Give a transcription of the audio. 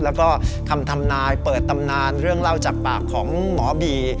แล้วก็คำทำนายเปิดตำนานเรื่องเล่าจากปากของหมอบี